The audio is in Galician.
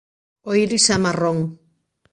O iris é marrón.